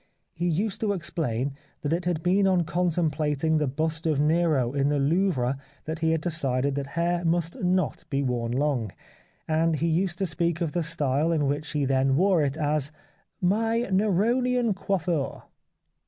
He used to explain that it had been on contemplating the bust of Nero in the Louvre that he had decided that hair must not be worn long, and he used to speak of the style in which he then wore it as " my Neronian coiffure."